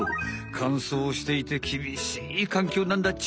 かんそうしていてきびしいかんきょうなんだっち。